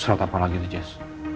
surat apa lagi tuh jess